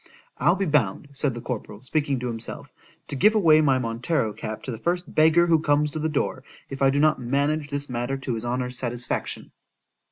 I'll be bound, said the corporal, speaking to himself, to give away my Montero cap to the first beggar who comes to the door, if I do not manage this matter to his honour's satisfaction.